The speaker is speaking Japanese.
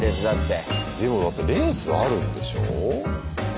でもだってレースあるんでしょ？